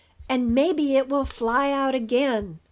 and maybe it will fly out again.